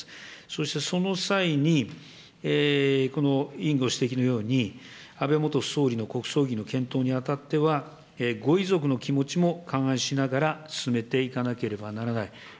そしてその際に、委員ご指摘のように、安倍元総理の国葬儀の検討にあたっては、ご遺族の気持ちも勘案しながら、進めていかなければならない。